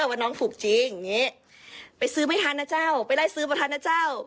ว่าน้องถูกจริงอย่างนี้ไปซื้อไม่ทันนะเจ้าไปไล่ซื้อประทานนะเจ้า